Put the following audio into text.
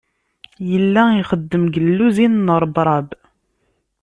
Yella ixeddem deg luzin n Rebrab.